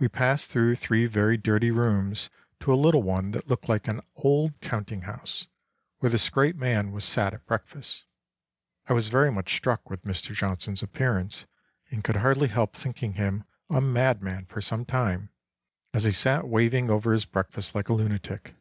We passed through three very dirty rooms to a little one that looked like an old counting house, where this great man was sat at breakfast.... I was very much struck with Mr. Johnson's appearance, and could hardly help thinking him a madman for some time, as he sat waving over his breakfast like a lunatic.